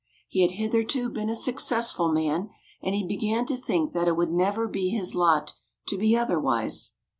He had hitherto been a successful man, and he began to think that it would never be his lot to be otherwise.